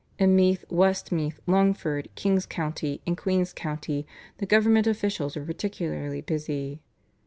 In Meath, Westmeath, Longford, King's County, and Queen's County the government officials were particularly busy.